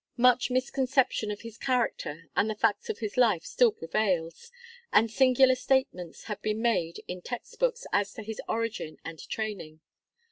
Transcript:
Much misconception of his character and the facts of his life still prevails; and singular statements have been made in text books, as to his origin and training.